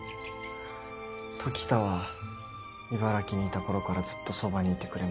時田は茨城にいた頃からずっとそばにいてくれました。